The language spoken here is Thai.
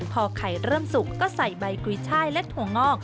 พอไข่เริ่มสุกก็ใส่ใบกุยช่ายและถั่วงอก